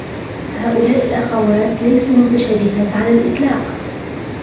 هؤلاء الأخوات ليسوا متشابهات على الإطلاق.